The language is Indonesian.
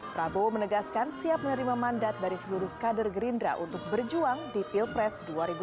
prabowo menegaskan siap menerima mandat dari seluruh kader gerindra untuk berjuang di pilpres dua ribu sembilan belas